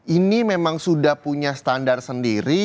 ini memang sudah punya standar sendiri